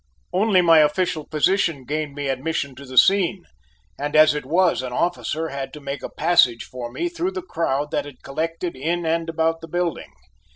Only my official position gained me admission to the scene, and as it was, an officer had to make a passage for me through the crowd that had collected in and about the building.